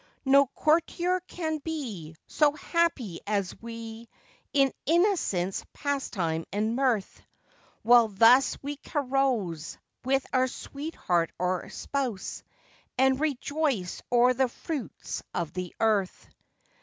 No courtier can be So happy as we, In innocence, pastime, and mirth; While thus we carouse, With our sweetheart or spouse, And rejoice o'er the fruits of the earth.